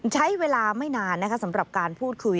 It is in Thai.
ใช้เวลาไม่นานนะคะสำหรับการพูดคุย